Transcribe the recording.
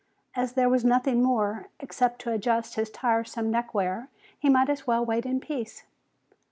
As there was nothing more, except to adjust his tiresome neckwear, he might as well wait in peace.